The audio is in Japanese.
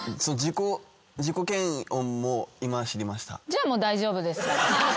じゃあもう大丈夫です。